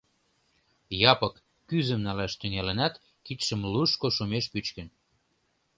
Япык кӱзым налаш тӱҥалынат, кидшым лушко шумеш пӱчкын.